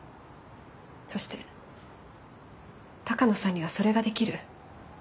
そして鷹野さんにはそれができる。